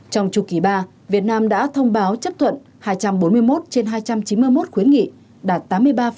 trong chu kỳ ba việt nam đã thông báo chấp thuận hai trăm bốn mươi một trên hai trăm chín mươi một khuyến nghị đạt tám mươi ba